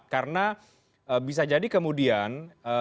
karena bisa jadi kemudian